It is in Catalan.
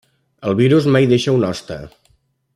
El virus mai deixa un hoste.